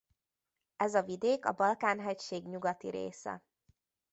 Ez a vidék a Balkán-hegység nyugati része.